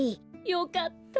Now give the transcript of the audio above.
よかった。